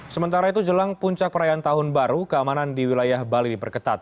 sementara itu jelang puncak perayaan tahun baru keamanan di wilayah bali diperketat